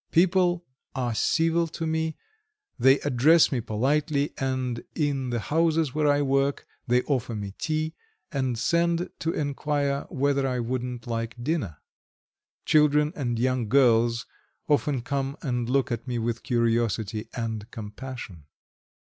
People are civil to me, they address me politely, and in the houses where I work, they offer me tea, and send to enquire whether I wouldn't like dinner. Children and young girls often come and look at me with curiosity and compassion.